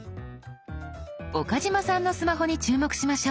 岡嶋さんのスマホに注目しましょう。